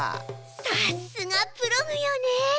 さすがプログよね。